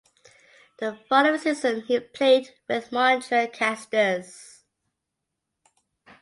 The following season he played with Montreal Castors.